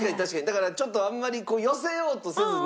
だからあんまり寄せようとせずに。